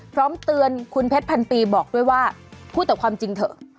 พร้อมเตือนคุณเพชรพันปีบอกด้วยว่าพูดแต่ความจริงเถอะ